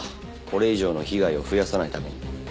これ以上の被害を増やさないために。